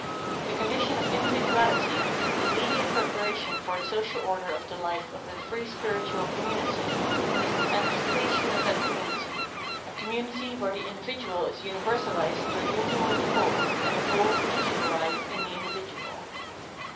This condition of individuality is the immediate preparation for the social order of the life of a free spiritual community, and is the antici pation of that community — a community where the individual is uni versalised through union with the whole, and the whole particularised in the individual.